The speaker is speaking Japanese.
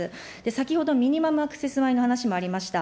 先ほどミニマムアクセス米の話もありました。